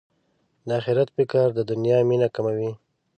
د اخرت فکر د دنیا مینه کموي.